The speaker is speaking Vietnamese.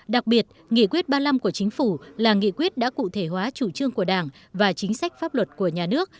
đặc biệt nghị quyết ba mươi năm của chính phủ là nghị quyết đã cụ thể hóa chủ trương của đảng và chính sách pháp luật của nhà nước